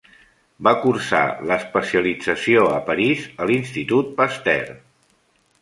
Va cursar l'especialització a París, a l'Institut Pasteur.